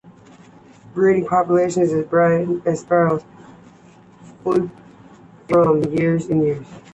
Breeding populations of Baird's sparrow fluctuate from year to year.